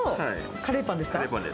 カレーパンです。